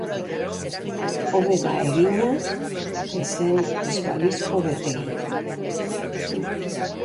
Hobe da egina, ezen ez balizko betegina.